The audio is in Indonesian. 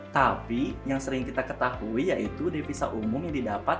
tapi yang sering kita ketahui yaitu devisa umum yang didapat